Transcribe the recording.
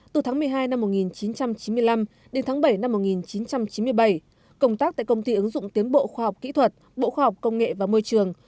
từ tháng một mươi hai năm một nghìn chín trăm chín mươi năm đến tháng bảy năm một nghìn chín trăm chín mươi bảy công tác tại công ty ứng dụng tiến bộ khoa học kỹ thuật bộ khoa học công nghệ và môi trường